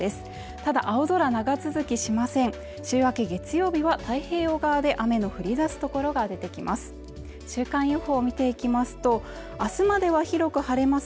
ただ青空長続きしません週明け月曜日は太平洋側で雨の降り出すところが出てきます